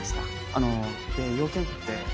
あので用件って？